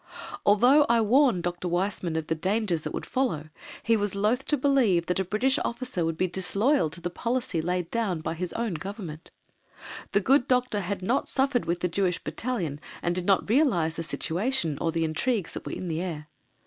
Although I warned Dr. Weizmann of the dangers that would follow, he was loth to believe that a British Officer would be disloyal to the policy laid down by his Government. The good Doctor had not suffered with the Jewish Battalion and did not realize the situation or the intrigues that were in the air.